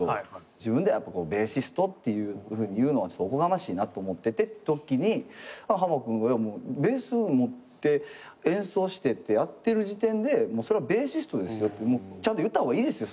自分ではベーシストっていうふうに言うのはおこがましいなと思っててってときにハマ君が「ベースを持って演奏してってやってる時点でそれはベーシストですよ」「ちゃんと言った方がいいですよ。